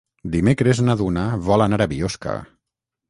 Dimecres na Duna vol anar a Biosca.